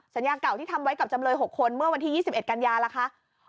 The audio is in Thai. สัญญาเก่าที่ทำไว้กับจำเลย๖คนเมื่อวันที่๒๑กันยาล่ะคะ